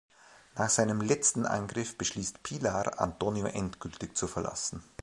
Nach seinem letzten Angriff beschließt Pilar, Antonio endgültig zu verlassen.